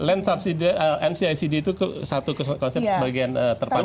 land subsiden ncicd itu satu konsep sebagian terpenuh